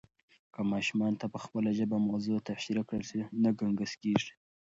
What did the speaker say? که ماشوم ته په خپله ژبه موضوع تشریح کړل سي، نه ګنګس کېږي.